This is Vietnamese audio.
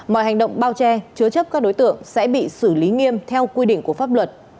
mọi hành động bao che chứa chấp các đối tượng sẽ bị xử lý nghiêm theo quy định của pháp luật